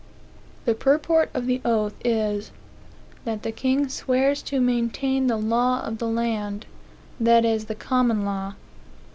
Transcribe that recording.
The purport of the oath is, that the king swears to maintain the law of the land that is, the common law.